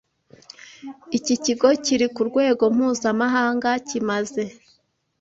Iki kigo kiri ku rwego mpuzamahanga kimaze